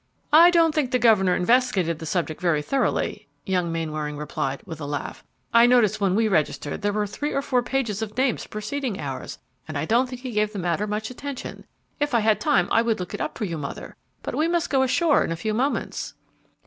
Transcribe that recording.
"I don't think the governor investigated the subject very thoroughly," young Mainwaring replied, with a laugh. "I noticed when we registered there were three or four pages of names preceding ours, and I don't think he gave the matter much attention. If I had time I would look it up for you, mother, but we must go ashore in a few moments."